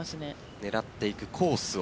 狙っていくコースを？